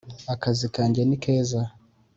akazi kanjye ni keza.